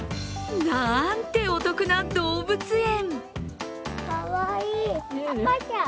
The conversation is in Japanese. なんてお得な動物園！